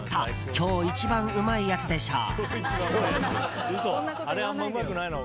今日一番うまいやつでしょう。